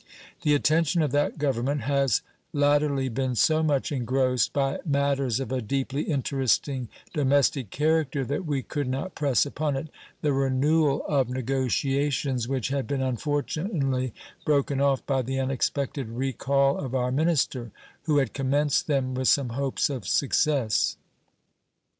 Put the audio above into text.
The attention of that Government has latterly been so much engrossed by matters of a deeply interesting domestic character that we could not press upon it the renewal of negotiations which had been unfortunately broken off by the unexpected recall of our minister, who had commenced them with some hopes of success.